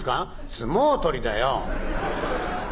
「相撲取りだよ」。